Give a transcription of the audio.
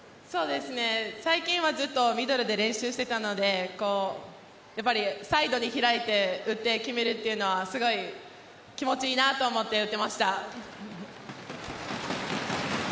最近はずっとミドルで練習していたのでサイドに開いて打って決めるというのは気持ちいいなと思って打っていました。